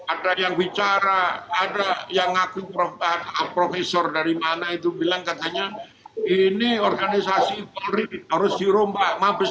ada yang bicara ada yang ngaku profesor dari mana itu bilang katanya ini organisasi polri harus dirombak mabes